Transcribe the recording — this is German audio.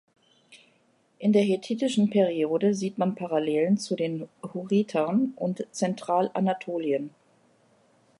In der hethitischen Periode sieht man Parallelen zu den Hurritern und Zentralanatolien.